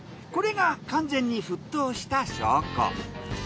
これが完全に沸騰した証拠。